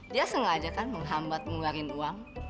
dia sengaja kan menghambat ngeluarin uang